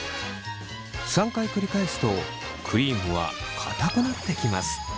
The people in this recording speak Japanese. ３回繰り返すとクリームはかたくなってきます。